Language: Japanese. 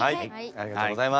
ありがとうございます。